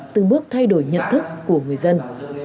từ bước thay đổi nhận thức của người dân